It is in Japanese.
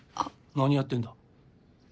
何やってんだ